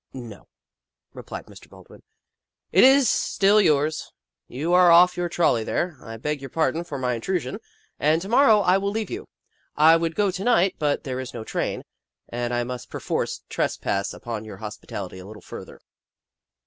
" No," replied Mr. Baldwin, " it is still yours. You are off your trolley there. I beg your pardon for my intrusion, and to morrow I will leave you. I would go to night, but there is no train, and I must perforce trespass upon your hospitality a little further."